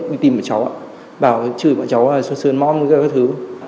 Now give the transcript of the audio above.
đi tìm bọn cháu ạ bảo chửi bọn cháu là sơn sơn mõm các thứ